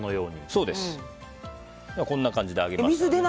こんな感じで揚げます。